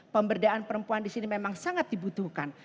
pemberdayaan perempuan disini memang sangat dibutuhkan